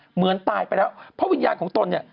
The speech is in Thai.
เหมือนตายไปแล้วเพราะวิญญาณของตนเนี่ย